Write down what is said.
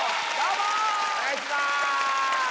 お願いします！